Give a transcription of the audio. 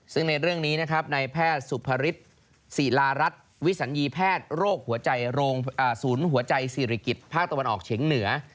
ซึ่งในเรื่องนี้นะครับในแพทย์สุภฤษศิลารัฐวิสัญญีแพทย์โรคหัวใจศูนย์หัวใจศิริกิจภาคตะวันออกเฉียงเหนือ